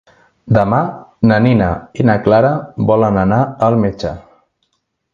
Demà na Nina i na Clara volen anar al metge.